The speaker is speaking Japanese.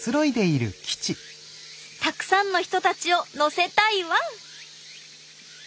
たくさんの人たちを乗せたいワン！